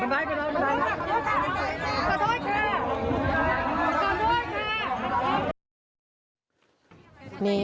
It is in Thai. มันไม่เป็นเลย